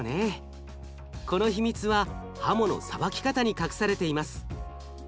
この秘密はハモのさばき方に隠されています。